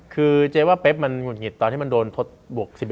คือเจ๊ว่าเป๊บมันหุดหงิดตอนที่มันโดนทดบวก๑๑